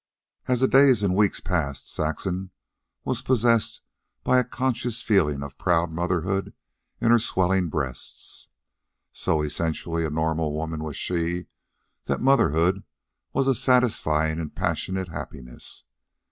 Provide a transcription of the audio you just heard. As the days and weeks passed, Saxon was possessed by a conscious feeling of proud motherhood in her swelling breasts. So essentially a normal woman was she, that motherhood was a satisfying and passionate happiness.